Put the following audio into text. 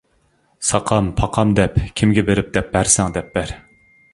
ساقام، پاقام دەپ كىمگە بېرىپ دەپ بەرسەڭ دەپ بەر.